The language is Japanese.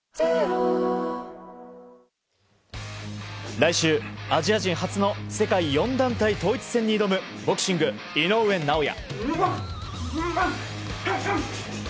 来週、アジア人初の世界４団体統一戦に挑むボクシング、井上尚弥。